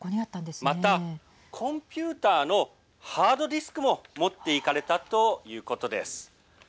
またコンピューターのハードディスクも持っていかれたということです。